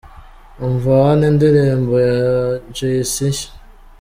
Umva hano indirimbo ya Jay C nshya.